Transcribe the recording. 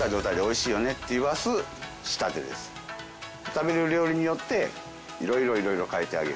食べる料理によって色々色々変えてあげる。